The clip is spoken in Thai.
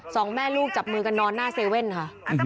สองแม่ลูกจับมือกันนอนหน้าเซเว่นค่ะ